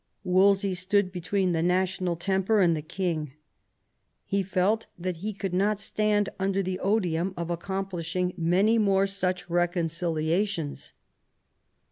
Wolsey stood between the national temper and the king ; he felt that he could not stand under the odium of accomplishing many more such recon ciliations.